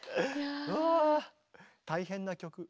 うわぁ大変な曲。